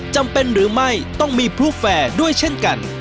จำเป็นหรือไม่ต้องมีพลุแฟร์ด้วยเช่นกัน